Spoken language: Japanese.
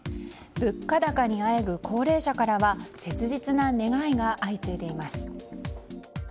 物価高にあえぐ高齢者からは切実な願いが相次いでいます。